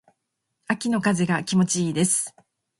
秋の風が気持ち良いです。